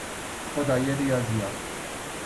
خدای ریاضیات